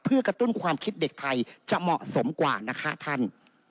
เพื่อกระตุ้นความคิดเด็กไทยจะเหมาะสมกว่านะคะท่าน